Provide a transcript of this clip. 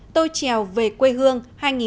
tôi trèo về quê hương hai nghìn một mươi chín